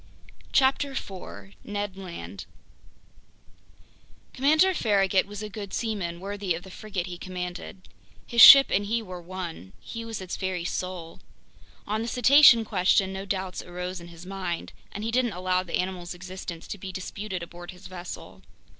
CHAPTER 4 Ned Land COMMANDER FARRAGUT was a good seaman, worthy of the frigate he commanded. His ship and he were one. He was its very soul. On the cetacean question no doubts arose in his mind, and he didn't allow the animal's existence to be disputed aboard his vessel.